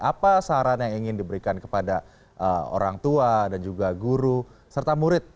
apa saran yang ingin diberikan kepada orang tua dan juga guru serta murid